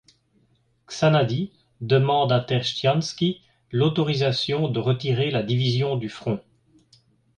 Csanády demande à Tersztyánszky l'autorisation de retirer la division du front.